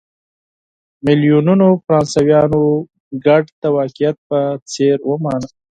میلیونونو فرانسویانو شرکت د واقعیت په څېر ومانه.